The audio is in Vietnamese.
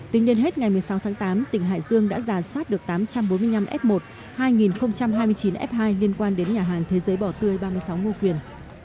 tính đến hết ngày một mươi sáu tháng tám tỉnh hải dương đã giả soát được tám trăm bốn mươi năm f một hai nghìn hai mươi chín f hai liên quan đến nhà hàng thế giới bỏ tươi ba mươi sáu ngô quyền